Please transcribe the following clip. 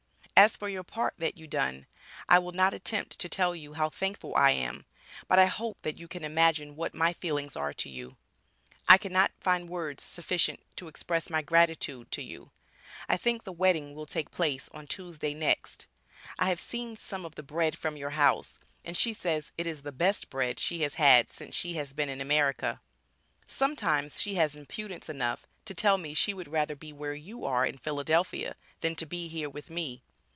As for your part that you done I will not attempt to tell you how thankful I am, but I hope that you can imagine what my feelings are to you. I cannot find words sufficient to express my gratitude to you, I think the wedding will take place on Tuesday next, I have seen some of the bread from your house, and she says it is the best bread she has had since she has been in America. Sometimes she has impudence enough to tell me she would rather be where you are in Philadelphia than to be here with me.